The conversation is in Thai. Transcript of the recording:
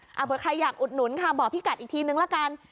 เผื่อใครอยากอุดหนุนค่ะบอกพี่กัดอีกทีนึงละกัน